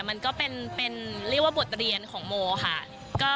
มันก็เป็นเรียกว่าบทเรียนของโมค่ะ